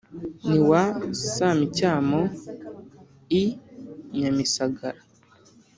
n’iwa samicyamo i nyamisagara